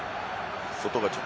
外がちょっと。